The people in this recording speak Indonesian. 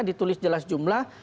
ditulis jelas jumlah